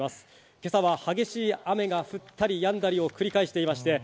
今朝は激しい雨が降ったりやんだりを繰り返していまして。